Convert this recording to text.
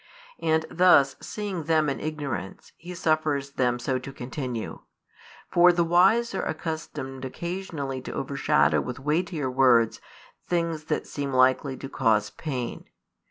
And thus, seeing them in ignorance, He suffers them so to continue. For the wise are accustomed occasionally to overshadow with weightier words things that seem likely to cause pain.